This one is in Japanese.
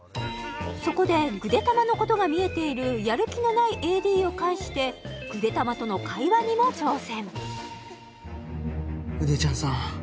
そこでぐでたまのことが見えているやる気のないＡＤを介してぐでたまとの会話にも挑戦ぐでちゃんさん